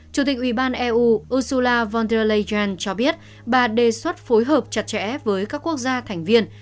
chủ tịch ủy ban eu ursula von der leyen cho biết bà đề xuất phối hợp chặt chẽ với các quốc gia thành viên